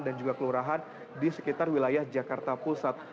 dan juga kelurahan di sekitar wilayah jakarta pusat